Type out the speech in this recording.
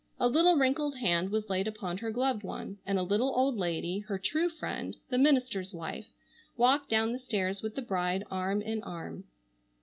A little wrinkled hand was laid upon her gloved one, and a little old lady, her true friend, the minister's wife, walked down the stairs with the bride arm in arm.